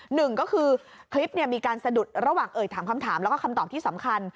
หนึ่งก็คือคลิปมีการสะดุดระหว่างเอ่ยถามคำถามแล้วก็คำตอบที่สำคัญ